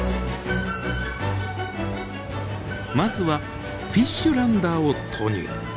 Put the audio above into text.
まずはフィッシュランダーを投入。